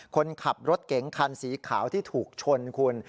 คนขับรถเก๋งคันสีขาวที่ถูกชนคุณ